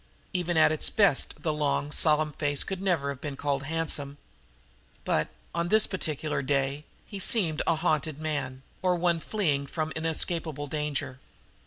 Even at its best the long, solemn face could never have been called handsome. But, on this particular day, he seemed a haunted man, or one fleeing from an inescapable danger.